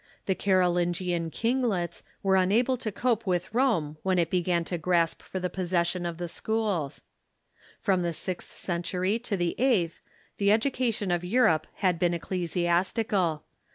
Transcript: The Carolingian kinglets were unable to cope with Rome when it began to grasp for the possession of the schools. From the sixth century to the eighth the education of Europe had been ecclesiastical.